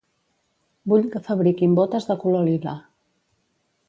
Vull que fabriquin botes de color lila